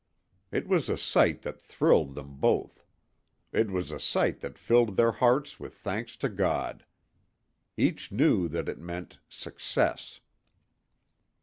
It was a sight that thrilled them both. It was a sight that filled their hearts with thanks to God. Each knew that it meant Success.